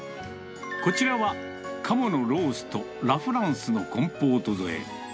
こちらは鴨のロースト、ラ・フランスのコンポート添え。